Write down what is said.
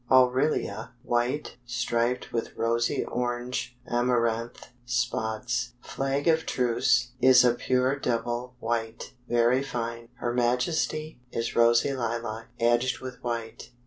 Aurelia, white, striped with rosy orange, amaranth spots. Flag of Truce, is a pure double white, very fine. Her Majesty, is rosy lilac, edged with white.